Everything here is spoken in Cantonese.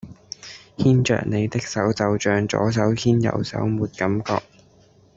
牽著你的手就象左手牽右手沒感覺